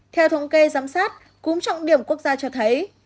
theo thống kê giám sát cúm trọng điểm quốc gia cho thấy